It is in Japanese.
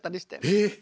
えっ！